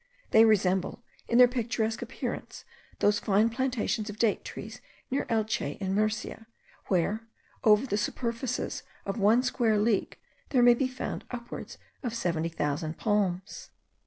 They resemble, in their picturesque appearance, those fine plantations of date trees near Elche, in Murcia, where, over the superficies of one square league, there may be found upwards of 70,000 palms.